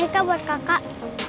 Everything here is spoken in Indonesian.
ini kak buat kakak